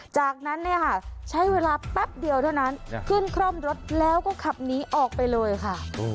จากนั้นเนี่ยค่ะใช้เวลาแป๊บเดียวเท่านั้นขึ้นคร่อมรถแล้วก็ขับหนีออกไปเลยค่ะ